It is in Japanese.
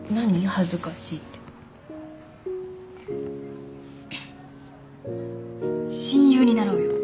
恥ずかしいって親友になろうよ